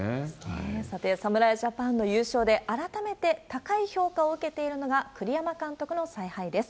さて、侍ジャパンの優勝で、改めて高い評価を受けているのが栗山監督の采配です。